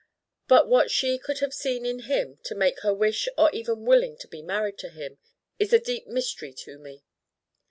But what she could have seen in him to make her wish or even willing to be married to him is a deep mystery to me.